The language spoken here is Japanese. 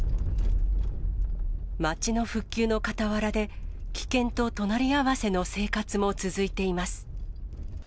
街の復旧のかたわらで、危険と隣り合わせの生活も続いています。